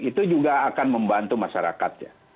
itu juga akan membantu masyarakat ya